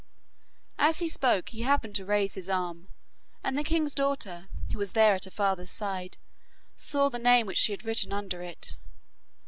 As he spoke he happened to raise his arm, and the king's daughter, who was there at her father's side, saw the name which she had written under it.